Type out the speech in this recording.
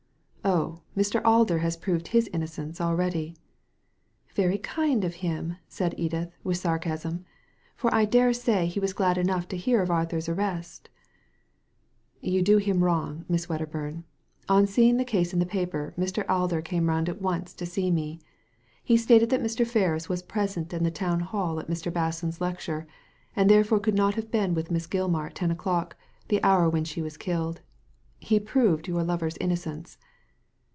" Oh, Mr. Alder has proved his innocence already." "Very kind of him," said Edith, with sarcasm, ''for I dare say he was glad enough to hear of Arthur's arrest" "You do him wrong, Miss Wedderbum. On seeing the case in the paper Mr. Alder came round at once to see me. He stated that Mr. Ferris was present in the Town Hall at Mr. Basson's lecture, and therefore could not have been with Miss Gilmar at ten o'clock, the hour when she was killed. He proved your lover's innocence."